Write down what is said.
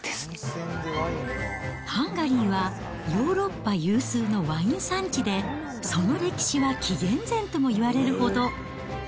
ハンガリーは、ヨーロッパ有数のワイン産地で、その歴史は紀元前ともいわれるほど。